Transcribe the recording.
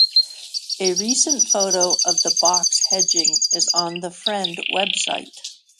A recent photo of the box hedging is on the Friend website.